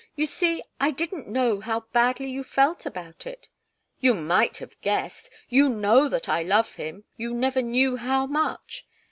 "You see, I didn't know how badly you felt about it " "You might have guessed. You know that I love him you never knew how much!"